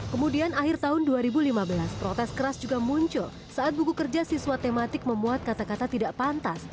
kemudian akhir tahun dua ribu lima belas protes keras juga muncul saat buku kerja siswa tematik memuat kata kata tidak pantas